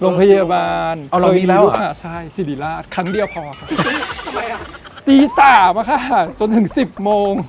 โรงพยาบาลเคยรู้ค่ะสิริราชครั้งเดียวพอค่ะตี๓อะค่ะจนถึง๑๐โมง